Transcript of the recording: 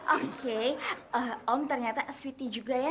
oke om ternyata sweety juga ya